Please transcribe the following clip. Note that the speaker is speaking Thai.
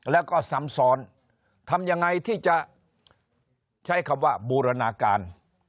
แล้วก็ซ้ำซ้อนทำยังไงที่จะใช้คำว่าบูรณาการ